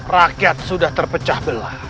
rakyat sudah terpecah belah